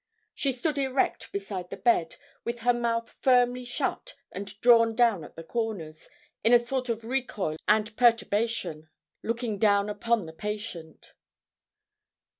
She stood erect beside the bed, with her mouth firmly shut and drawn down at the corners, in a sort of recoil and perturbation, looking down upon the patient.